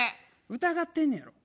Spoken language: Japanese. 疑ってんねやろ？